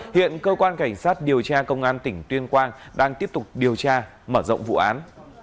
hiện cơ quan cảnh sát điều tra công an tỉnh tuyên quang đang tiếp tục điều tra mở rộng vụ án